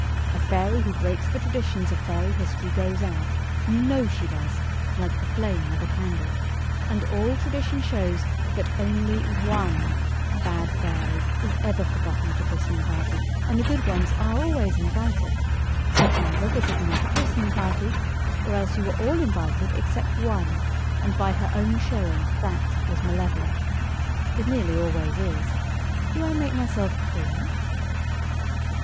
A fairy who breaks the traditions of fairy history goes out—you know she does—like the flame of a candle. And all tradition shows that only one bad fairy is ever forgotten at a christening party and the good ones are always invited; so either this is not a christening party, or else you were all invited except one, and, by her own showing, that was Malevola. It nearly always is. Do I make myself clear?"